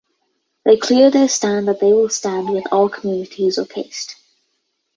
They clear their stand that they will stand with all communities or caste.